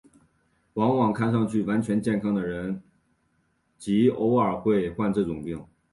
往往看上去完全健康的人极偶尔会患这种病。